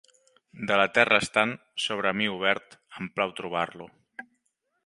De la terra estant, sobre mi obert, em plau trobar-lo.